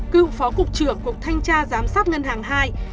cựu phó cục trưởng cục thanh tra giám sát ngân hàng hai